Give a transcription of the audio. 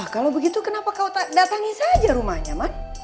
kalau begitu kenapa kau datangin saja rumahnya man